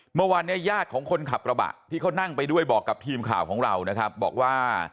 เมื่อวานเนี่ยญาติของคนขับกระบะที่เขานั่งไปด้วยบอกกับทีมข่าวของเรานะครับบอกว่า